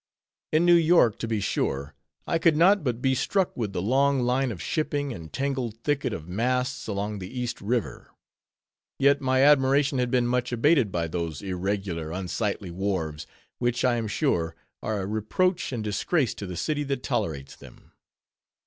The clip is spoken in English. In New York, to be sure, I could not but be struck with the long line of shipping, and tangled thicket of masts along the East River; yet, my admiration had been much abated by those irregular, unsightly wharves, which, I am sure, are a reproach and disgrace to the city that tolerates them.